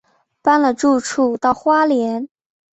搬了住处到花莲